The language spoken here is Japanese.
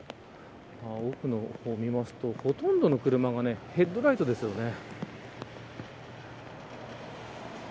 奥の方を見るとほとんどの車がヘッドライトですよね。